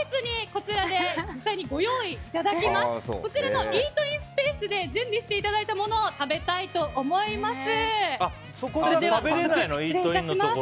こちらのイートインスペースで準備していただいたものを食べたいと思います。